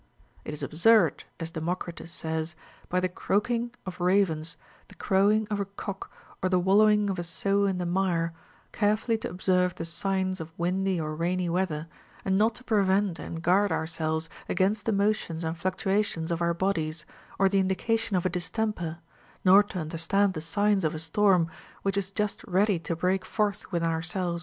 14. It is absurd, as Democritus says, by the croaking of ravens, the crowing of a cock, or the wallowing of a sow in the mire, rarefully to observe the signs of windy or rainy weather, and not to prevent and guard ourselves against the motions and fluctuations of our bodies or the indica tion of a distemper, nor to understand the signs of a storm which is just ready to break forth within ourselves.